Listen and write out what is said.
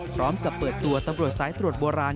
พร้อมกับเปิดตัวตำรวจสายตรวจโบราณ